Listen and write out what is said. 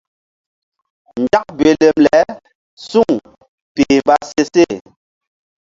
Nzak belem le suŋ peh mba se seh.